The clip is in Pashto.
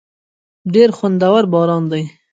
ډېر خوندور باران دی.